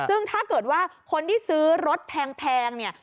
ซึ่งถ้าเกิดว่าคนที่ซื้อรถแพงเนี่ย